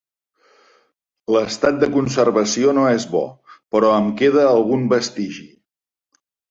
L'estat de conservació no és bo, però em queda algun vestigi.